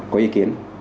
có ý kiến